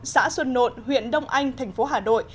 xã xuân nộn huyện đông anh thành phố hà nội